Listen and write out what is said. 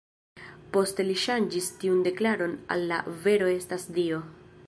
Poste li ŝanĝis tiun deklaron al "la vero estas Dio".